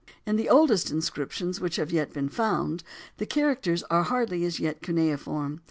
In the oldest inscriptions which have yet been found the characters are hardly as yet cuneiform.